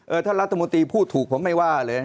ท่านรัฐมนตรีพูดถูกผมไม่ว่าเลย